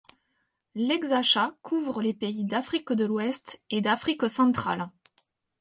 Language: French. L'exarchat couvre les pays d'Afrique de l'Ouest et d'Afrique centrale.